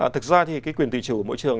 thực ra thì cái quyền tự chủ của mỗi trường